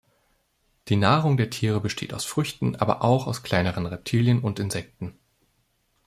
Die Nahrung der Tiere besteht aus Früchten, aber auch aus kleineren Reptilien und Insekten.